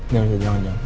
jangan jangan jangan